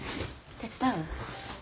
手伝う？